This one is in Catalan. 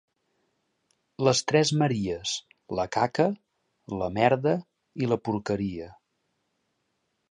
Les tres maries: la caca, la merda i la porqueria.